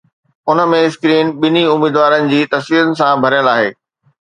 ان ۾، screen ٻنهي اميدوارن جي تصويرن سان ڀريل آهي